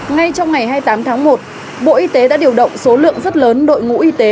ngay trong ngày hai mươi tám tháng một bộ y tế đã điều động số lượng rất lớn đội ngũ y tế